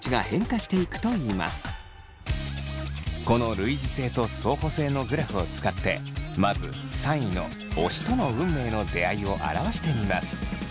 この類似性と相補性のグラフを使ってまず３位の推しとの運命の出会いを表してみます。